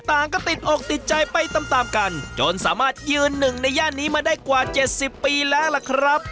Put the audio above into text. ต่างก็ติดอกติดใจไปตามตามกันจนสามารถยืนหนึ่งในย่านนี้มาได้กว่าเจ็ดสิบปีแล้วล่ะครับ